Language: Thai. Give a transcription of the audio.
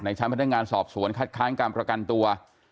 ชั้นพนักงานสอบสวนคัดค้านการประกันตัว